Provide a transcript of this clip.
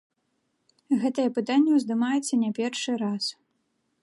Гэтае пытанне ўздымаецца не першы раз.